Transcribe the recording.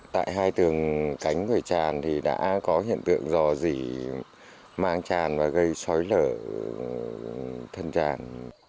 tại hai tường cánh vầy tràn thì đã có hiện tượng dò dỉ mang tràn và gây xói lở thân tràn